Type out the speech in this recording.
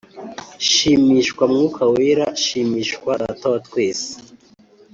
Shimishwa mwuka wera shimishwa data wa twese